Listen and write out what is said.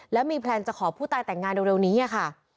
แล้วมีแพลนจะขอผู้ตายแต่งงานเร็วนี้ค่ะ